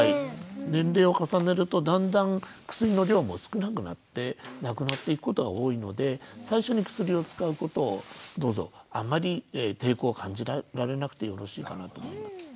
年齢を重ねるとだんだん薬の量も少なくなってなくなっていくことが多いので最初に薬を使うことをどうぞあんまり抵抗を感じられなくてよろしいかなと思います。